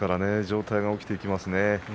上体が起きてきますね。